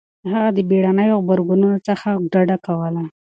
هغه د بېړنيو غبرګونونو څخه ډډه کوله.